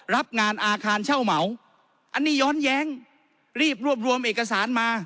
รับงานอาคารเช่าเหมาอันนี้ย้อนแย้งรีบรวบรวมเอกสารมา